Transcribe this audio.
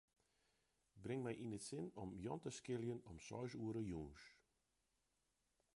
Bring my yn it sin om Jan te skiljen om seis oere jûns.